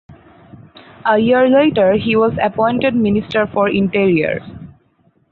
A year later he was appointed Minister for Interior.